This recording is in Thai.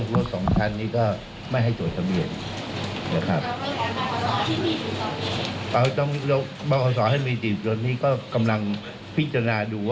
ว่ามีรถสองชั้นก็ยังมีอยู่